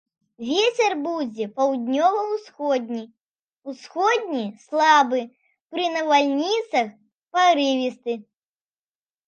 Вецер будзе паўднёва-ўсходні, усходні слабы, пры навальніцах парывісты.